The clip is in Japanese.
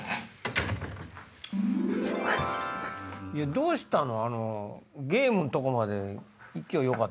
どうしたの？